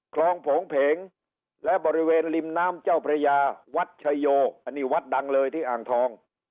โผงเพงและบริเวณริมน้ำเจ้าพระยาวัดชายโยอันนี้วัดดังเลยที่อ่างทอง